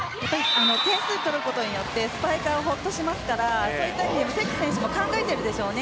点数を取ることによってスパイカーはほっとしますからそういった意味で関選手も考えてるでしょうね